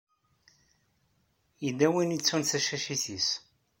Yella win i yettun tacacit-is.